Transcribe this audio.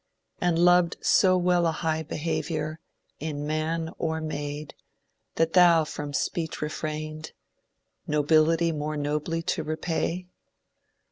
And loved so well a high behaviour, In man or maid, that thou from speech refrained, Nobility more nobly to repay